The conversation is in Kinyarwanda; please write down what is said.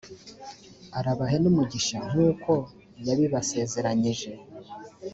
arabahe n’umugisha nk’uko yabibasezeranyije.